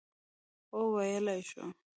او ویلای شو،